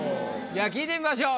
じゃあ聞いてみましょう。